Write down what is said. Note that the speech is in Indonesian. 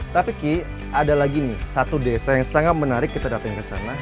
tapi ki ada lagi nih satu desa yang sangat menarik kita datang ke sana